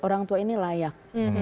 orang tua ini layak